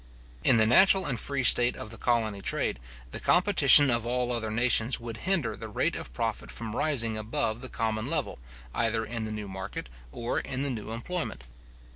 In the natural and free state of the colony trade, the competition of all other nations would hinder the rate of profit from rising above the common level, either in the new market, or in the new employment.